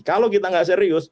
kalau kita nggak serius